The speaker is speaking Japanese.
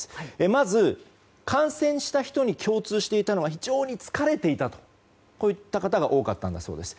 まず、感染した人に共通していたのは非常に疲れていたという方が多かったんだそうです。